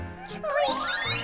おいしい！